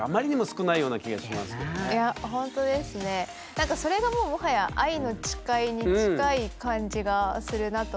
なんかそれがもうもはや愛の誓いに近い感じがするなと思って。